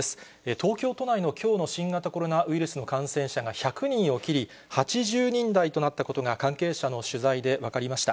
東京都内のきょうの新型コロナウイルスの感染者が１００人を切り、８０人台となったことが関係者の取材で分かりました。